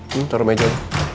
hmm taruh meja